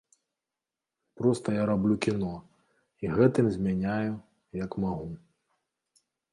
Проста я раблю кіно, і гэтым змяняю, як магу.